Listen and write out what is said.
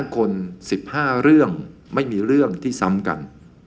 คน๑๕เรื่องไม่มีเรื่องที่ซ้ำกัน